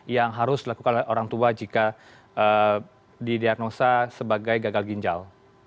yang harus dilakukan oleh orang tua jika didiagnosa sebagai gagal ginjal